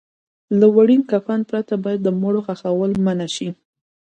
له وړین کفن پرته باید د مړو خښول منع شي.